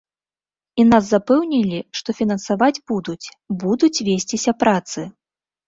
І нас запэўнілі, што фінансаваць будуць, будуць весціся працы.